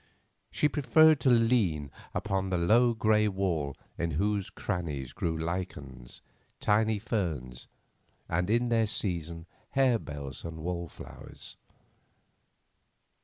She preferred to lean upon the low grey wall in whose crannies grew lichens, tiny ferns, and, in their season, harebells and wallflowers.